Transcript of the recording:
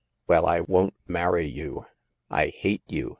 Well, I won't marry you. I hate you